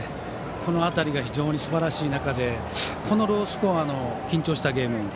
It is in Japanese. この辺りが非常にすばらしい中でこのロースコアの緊張したゲーム。